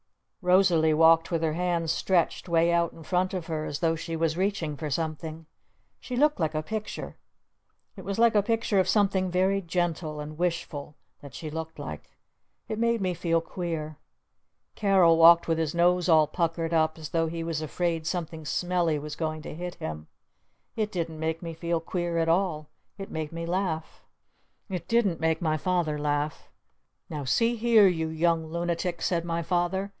Rosalee walked with her hands stretched way out in front of her as though she was reaching for something. She looked like a picture. It was like a picture of something very gentle and wishful that she looked like. It made me feel queer. Carol walked with his nose all puckered up as though he was afraid something smelly was going to hit him. It didn't make me feel queer at all. It made me laugh. It didn't make my Father laugh. "Now see here, you young Lunatics," said my Father.